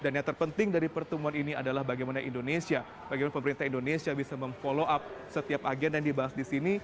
dan yang terpenting dari permasalahan ini adalah bagaimana indonesia bagaimana pemerintah indonesia bisa memfollow up setiap agen yang dibahas disini